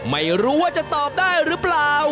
ไม่รู้ว่าจะตอบได้หรือเปล่า